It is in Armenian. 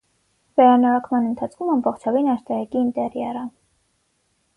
Վերանորոգման ընթացքում ամբողջովին աշտարակի ինտերիերը։